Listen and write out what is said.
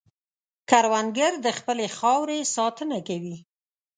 کروندګر د خپلې خاورې ساتنه کوي